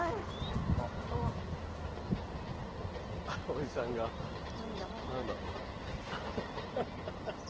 おじさんが何だろうな。